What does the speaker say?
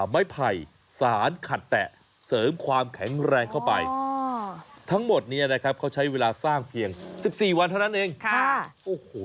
ไม้ไผ่สารขัดแตะเสริมความแข็งแรงเข้าไปทั้งหมดเนี่ยนะครับเขาใช้เวลาสร้างเพียง๑๔วันเท่านั้นเองค่ะโอ้โห